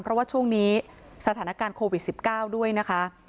เพราะว่าช่วงนี้สถานการณ์โควิด๑๙ด้วยนะคะ